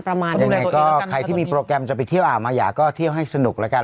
ยังไงก็ใครที่มีโปรแกรมจะไปเที่ยวอ่างมายาก็เที่ยวให้สนุกแล้วกัน